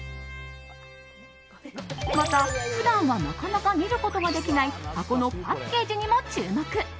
また普段はなかなか見ることができない箱のパッケージにも注目。